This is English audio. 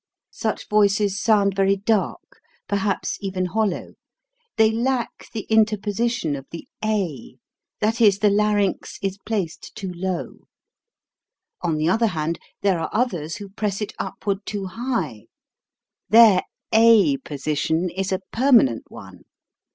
Such voices sound very dark, perhaps even hollow; they lack the interposition of the a, that is, the larynx is placed too low. On the other hand, there are others who press it upward too high; their d position is a permanent one.